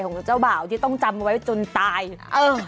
ของเจ้าบ่าวที่ต้องจำไว้จนตายอ่ะเออ